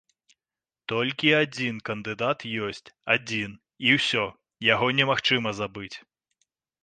Толькі адзін кандыдат ёсць, адзін і ўсё, яго немагчыма забыць.